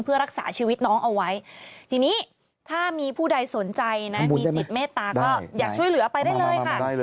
เพื่อรักษาชีวิตน้องเอาไว้ทีนี้ถ้ามีผู้ใดสนใจนะมีจิตเมตตาก็อยากช่วยเหลือไปได้เลยค่ะ